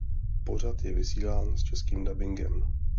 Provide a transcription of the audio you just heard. Pořad je vysílán s českým dabingem.